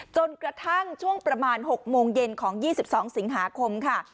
จนกระทั่งช่วงประมาณ๖โมงเย็นของ๒๒สิงหาคมค่ะ